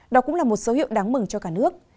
đó cũng là một số hiệu đáng mừng cho cả nước